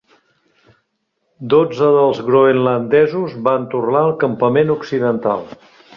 Dotze dels groenlandesos van tornar al campament occidental.